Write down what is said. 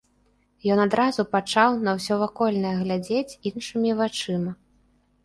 Ён адразу пачаў на ўсё вакольнае глядзець іншымі вачыма.